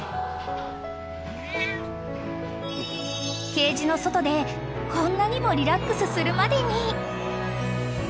［ケージの外でこんなにもリラックスするまでに！］